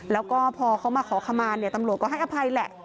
แล้วก็พอเขามาขอขมาเนี่ยตำรวจก็ให้อภัยแหละ